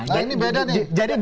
nah ini beda nih